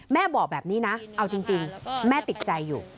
แม่บอกแบบนี้นะเอาจริงแม่ติดใจอยู่